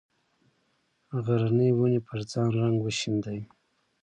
غرنې ونې پر ځان رنګ وشیندي